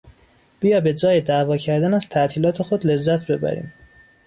بیا به جای دعوا کردن از تعطیلات خود لذت ببریم!